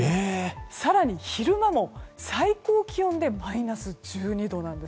更に、昼間も最高気温でマイナス１２度なんです。